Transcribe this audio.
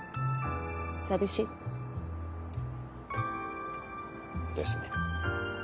寂しい？ですね。